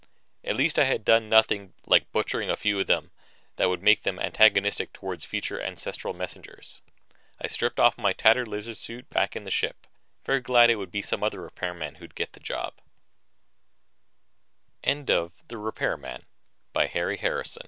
At least I had done nothing, like butchering a few of them, that would make them antagonistic toward future ancestral messengers. I stripped off my tattered lizard suit back in the ship, very glad that it would be some other repairman who'd get the job. HARRY HARRIS